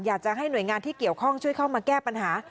อยากจะให้หน่วยงานที่เกี่ยวข้องช่วยเข้ามาแก้ปัญหา